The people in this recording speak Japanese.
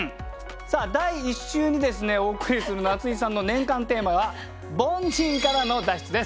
さあ第１週にですねお送りする夏井さんの年間テーマは「凡人からの脱出」です。